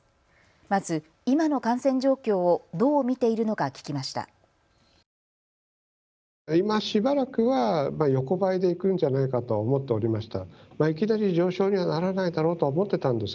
まず今の感染状況をどう見ているのか聞きました。